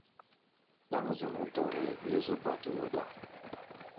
Ɗáŋ zu-mɛ́ dɔrɛɛ héé zú gba-toyo gá.